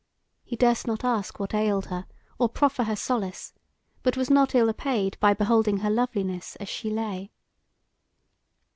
He durst not ask what ailed her, or proffer her solace, but was not ill apaid by beholding her loveliness as she lay.